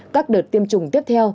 các đợt tiêm chủng tiếp theo